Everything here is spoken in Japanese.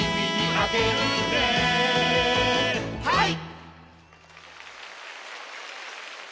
はい！